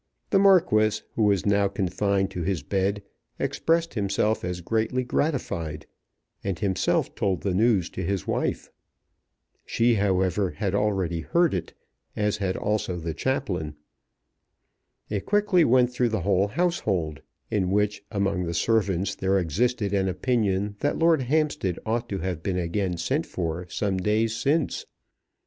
The Marquis, who was now confined to his bed, expressed himself as greatly gratified, and himself told the news to his wife. She, however, had already heard it, as had also the chaplain. It quickly went through the whole household, in which among the servants there existed an opinion that Lord Hampstead ought to have been again sent for some days since.